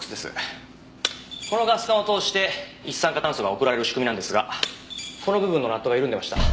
このガス管を通して一酸化炭素が送られる仕組みなんですがこの部分のナットが緩んでました。